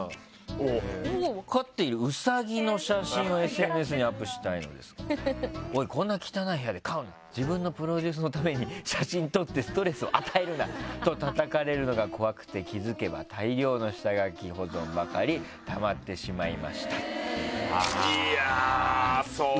飼っているウサギの写真をＳＮＳにアップしたいのですがおい、こんな汚い部屋で飼うな自分のプロデュースのために写真撮ってストレス与えるなとたたかれるのが怖くて、気づけば大量の下書き保存ばかりいやー、そうですね。